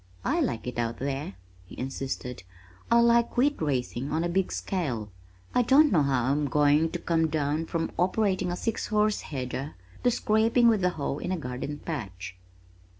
"I like it out there," he insisted. "I like wheat raising on a big scale. I don't know how I'm going to come down from operating a six horse header to scraping with a hoe in a garden patch."